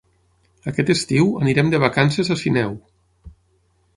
Aquest estiu anirem de vacances a Sineu.